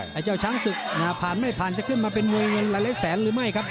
ไอ้เจ้าช้างศึกผ่านไม่ผ่านจะขึ้นมาเป็นมวยเงินหลายแสนหรือไม่ครับ